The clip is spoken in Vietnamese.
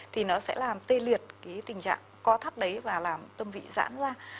thì nó sẽ làm tê liệt cái tình trạng co thắt đấy và làm tâm vị giãn ra